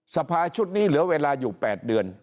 สภาชุดนี้เหลือเวลาอยู่๘เดือน